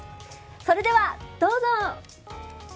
それではどうぞ！